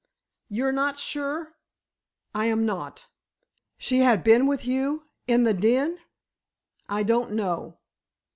"You're not sure——" "I am not." "She had been with you, in the den?" "I don't know."